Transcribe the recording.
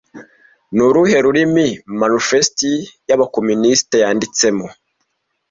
Ni uruhe rurimi Manifeste y'Abakomunisiti yanditsemo